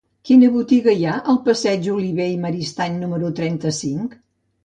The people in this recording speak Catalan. Quina botiga hi ha al passatge d'Olivé i Maristany número trenta-cinc?